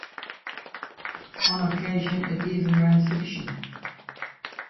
On occasion it even ran fiction.